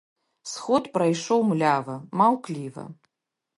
Сход прайшоў млява, маўкліва.